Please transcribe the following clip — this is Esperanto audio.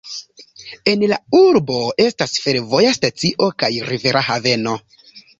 En la urbo estas fervoja stacio kaj rivera haveno.